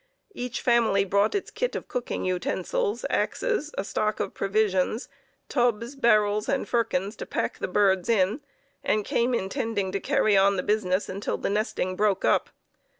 Each family brought its kit of cooking utensils, axes, a stock of provisions, tubs, barrels and firkins to pack the birds in, and came intending to carry on the business until the nesting broke up.